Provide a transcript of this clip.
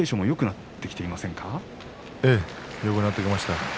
よくなってきました。